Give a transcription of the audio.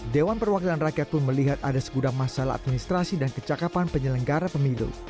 dewan perwakilan rakyat pun melihat ada segudang masalah administrasi dan kecakapan penyelenggara pemilu